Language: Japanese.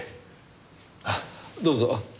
どうぞ。